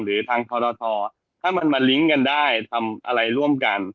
หรือทางทรทถ้ามันมาลิงก์กันได้ทำอะไรร่วมกัน